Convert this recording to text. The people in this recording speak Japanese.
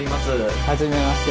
はじめまして。